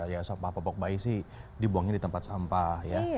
ya sampah popok bayi sih dibuangnya di tempat sampah ya